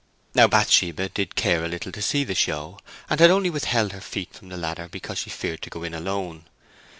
Now Bathsheba did care a little to see the show, and had only withheld her feet from the ladder because she feared to go in alone.